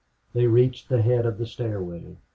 They reached the head of the stairway.